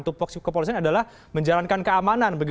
tupoksi kepolisian adalah menjalankan keamanan